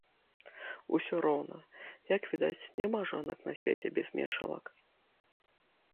Усё роўна, як відаць, няма жонак на свеце без мешалак.